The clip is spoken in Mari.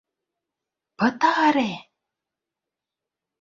Пытаре!..